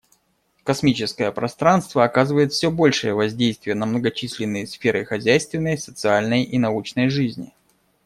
Космическое пространство оказывает все большее воздействие на многочисленные сферы хозяйственной, социальной и научной жизни.